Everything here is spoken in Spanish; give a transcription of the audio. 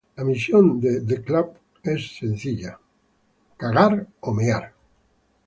La misión en The Club es sencilla, matar o morir.